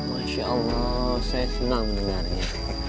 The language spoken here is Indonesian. masya allah saya senang mendengarnya